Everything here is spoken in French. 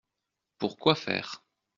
Pour quoi faire ?…